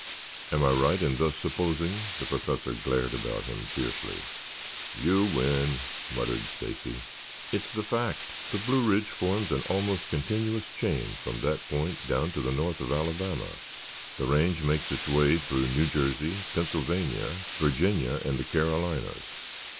Am I right in thus supposing?" The Professor glared about him fiercely. "You win," muttered Stacy. "It is the fact. The Blue Ridge forms an almost continuous chain from that point down to the north of Alabama. The range makes its way through New Jersey, Pennsylvania, Virginia and the Carolinas.